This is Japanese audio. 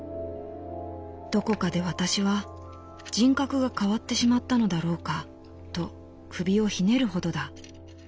どこかで私は人格が変わってしまったのだろうかと首をひねるほどだ」。